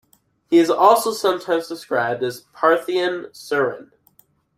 He is also sometimes described as a Parthian Suren.